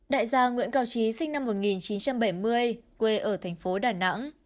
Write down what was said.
đại gia nguyễn cao trí sinh năm một nghìn chín trăm bảy mươi quê ở thành phố đà nẵng